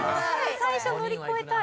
・最初乗り越えたい。